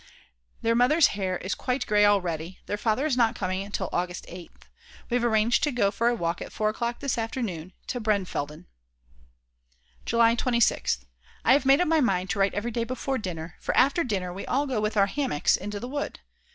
Their mother's hair is quite grey already, their father is not coming until August 8th. We have arranged to go for a walk at 4 o'clock this afternoon, to Brennfelden. July 26th. I have made up my mind to write every day before dinner, for after dinner we all go with our hammocks into the wood.